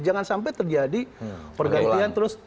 jangan sampai terjadi pergantian terus